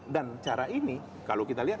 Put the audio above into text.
dan cara ini kalau kita lihat